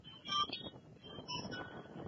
پښتو تر پردۍ ژبې اسانه ده.